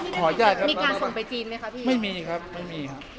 แล้วเช่นเรามีการถ่ายรูปกับทางคนที่สนิทคุณโอ๊คอะไรอย่างนี้ค่ะ